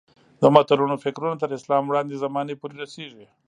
د متلونو فکرونه تر اسلام وړاندې زمانې پورې رسېږي